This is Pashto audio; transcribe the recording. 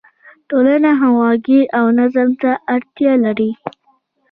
ټولنه همغږي او نظم ته اړتیا لري.